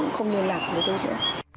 không ngồi lặp với tôi nữa